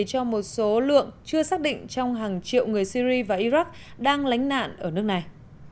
cho một số lượng chưa xác định trong hàng triệu người syri và iraq đang lánh nạn ở nước này